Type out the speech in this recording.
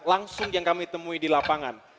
langsung yang kami temui di lapangan